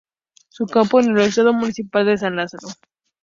Su campo es el Estadio Municipal de San Lázaro.